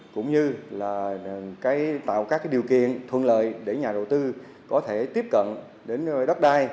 cũng như là tạo các điều kiện thuận lợi để nhà đầu tư có thể tiếp cận đến đất đai